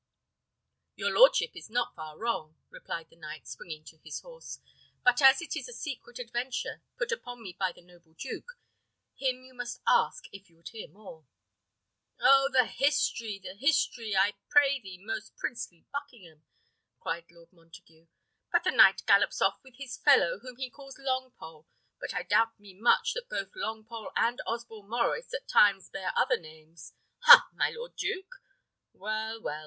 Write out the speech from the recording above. "Your lordship is not far wrong," replied the knight, springing on his horse. "But as it is a secret adventure put upon me by the noble duke, him you must ask if you would hear more." "Oh, the history! the history! I pray thee, most princely Buckingham?" cried Lord Montague. "But the knight gallops off with his fellow, whom he calls Longpole; but I doubt me much that both Longpole and Osborne Maurice at times bear other names. Ha! my lord duke? Well, well!